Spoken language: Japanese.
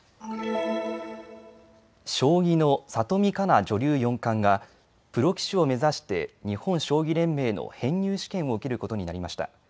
将棋の里見香奈女流四冠がプロ棋士を目指して日本将棋連盟の編入試験を受けることになりました。